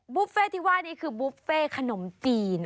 บุฟเฟ่ที่ว่านี้คือบุฟเฟ่ขนมจีน